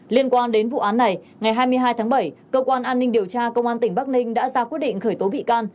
liên quan đến vụ án này ngày hai mươi hai tháng bảy cơ quan an ninh điều tra công an tỉnh bắc ninh đã ra quyết định khởi tố bị can